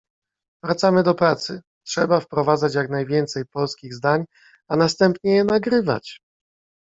wracamy do pracy, trzeba wprowadzać jak najwięcej polskich zdań a następnie je nagrywać!